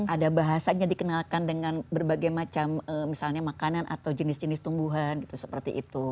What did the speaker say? ada bahasanya dikenalkan dengan berbagai macam misalnya makanan atau jenis jenis tumbuhan gitu seperti itu